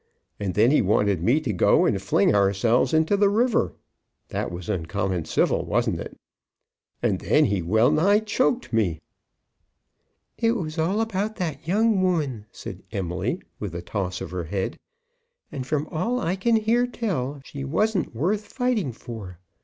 And then he wanted me to go and fling ourselves into the river. That was uncommon civil, wasn't it? And then he well nigh choked me." "It was all about that young woman," said Emily, with a toss of her head. "And from all I can hear tell, she wasn't worth fighting for.